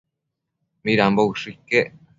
Midambo ushë iquec